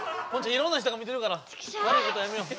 いろんな人が見てるからわるいことやめよう。